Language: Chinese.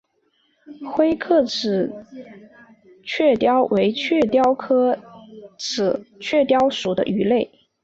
灰刻齿雀鲷为雀鲷科刻齿雀鲷属的鱼类。